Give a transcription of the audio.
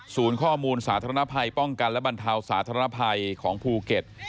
ข้อมูลสาธารณภัยป้องกันและบรรเทาสาธารณภัยของภูเก็ต